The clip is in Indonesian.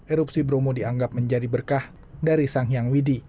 erupsi bromo dianggap menjadi berkah dari sang hyang widi